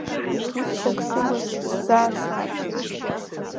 Усқәак сыман, заа саацәеит.